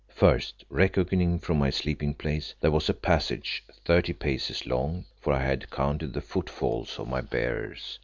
First, reckoning from my sleeping place, there was a passage thirty paces long, for I had counted the footfalls of my bearers.